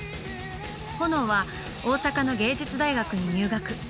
ホノオは大阪の芸術大学に入学。